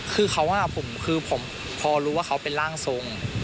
คือเขาคือผมพอรู้ว่าเขาเป็นร่างทรง